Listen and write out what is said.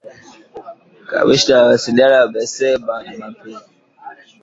kamishna wa mawasiliano amesema Jumapili